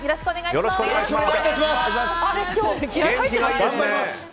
よろしくお願いします！